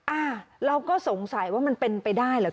อ่าเราก็สงสัยว่ามันเป็นไปได้เหรอ